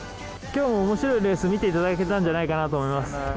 きょうもおもしろいレース見ていただけたんじゃないかなと思います。